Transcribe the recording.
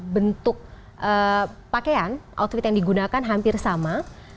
bentuk pakaian outfit yang digunakan hampir sama